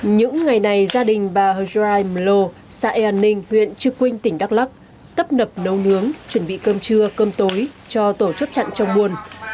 những ngày này gia đình bà hoi rai mlo xã ea ninh huyện chư quynh tỉnh đắk lắc tấp nập nấu nướng chuẩn bị cơm trưa cơm tối cho tổ chốt chặt trong buồn